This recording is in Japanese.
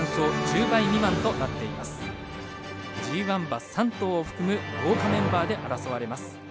ＧＩ馬３頭を含む豪華メンバーで争われます。